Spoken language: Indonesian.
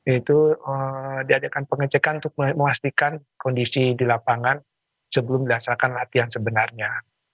itu diadakan pengecekan untuk memastikan kondisi di lapangan sebelum dilaksanakan latihan sebenarnya